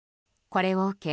これを受け